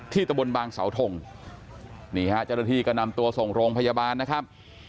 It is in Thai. ที่ตะบนบางสาวทงนี่ฮะจรฐีก็นำตัวส่งโรงพยาบาลนะครับ